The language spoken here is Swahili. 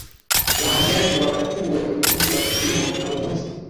wahamiaji Wabantu wenye ujuzi wa kilimo na uhunzi